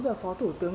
rồi phó thủ tướng